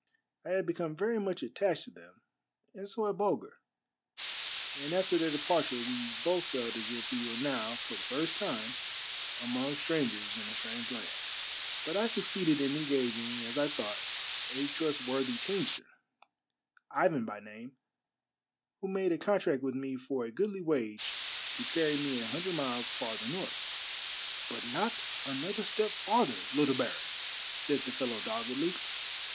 I had become very much attached to them, and so had Bulger, and aft^r their departure we both felt as if we were now, for the first time, among strangers in a strange land; but I succeeded in engaging, as I thought, a trust worthy teamster, Ivan by name, who made a contract with me for a goodly wage to carry me a hundred miles farther north. " But not another step farther, little baron !" said the fellow doggedly.